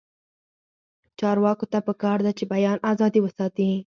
چارواکو ته پکار ده چې، بیان ازادي وساتي.